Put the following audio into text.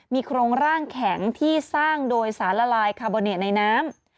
มีโครงร่างแข็งที่สร้างโดยสารละลายคาร์โบเนในน้ำ